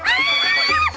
tuh tuh tuh tuh